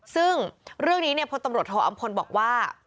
ซึ่งเรื่องนี้พลตำรวจโทอำพลบอกว่า